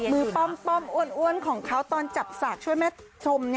มือป้อมอ้วนของเขาตอนจับศาสตร์ช่วยแม่ชม